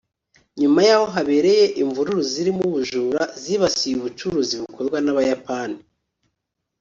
nyuma y’aho habereye imvururu zirimo ubujura zibasiye ubucuruzi bukorwa n’Abayapani